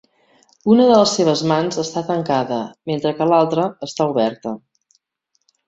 Una de les seves mans està tancada, mentre que l'altra està oberta.